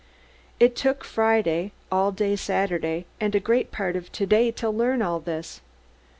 "It took Friday, all day Saturday, and a great part of to day to learn all this.